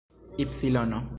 ipsilono